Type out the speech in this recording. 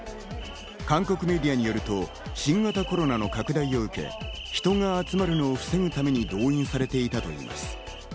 韓国メディアによると新型コロナの拡大を受け、人が集まるのを防ぐために動員されていたといいます。